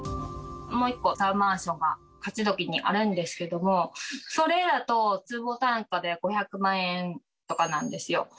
もう一個タワーマンションが勝どきにあるんですけども、それやと、坪単価で５００万円とかなんですよ。